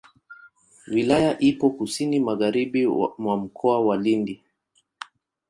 Wilaya ipo kusini magharibi mwa Mkoa wa Lindi.